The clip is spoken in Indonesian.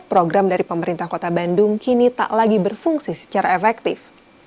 program dari pemerintah kota bandung kini tak lagi berfungsi secara efektif